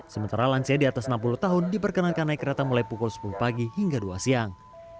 sementara lansia di atas enam puluh tahun diperkenankan naik kereta mulai pukul sepuluh pagi hingga dua siang